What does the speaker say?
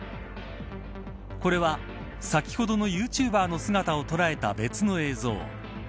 これは先ほどのユーチューバーの姿を捉えた別の映像。